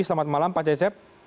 selamat malam pak cecep